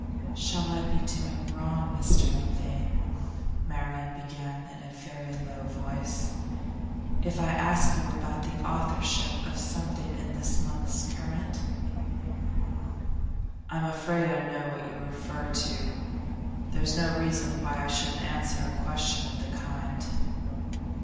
'Shall I be doing wrong, Mr Milvain,' Marian began in a very low voice, 'if I ask you about the authorship of something in this month's Current?' 'I'm afraid I know what you refer to. There's no reason why I shouldn't answer a question of the kind.